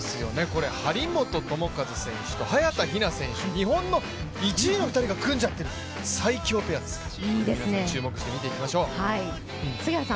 張本智和選手と早田ひな選手という日本の１位の２人が組んじゃってる最強ペア、見ていきましょう。